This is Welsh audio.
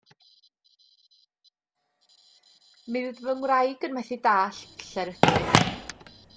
Mi fydd fy ngwraig yn methu dallt lle'r ydw i.